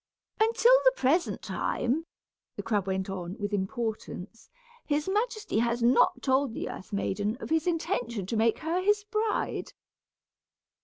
"Until the present time," the crab went on, with importance, "his majesty has not told the earth maiden of his intention to make her his bride.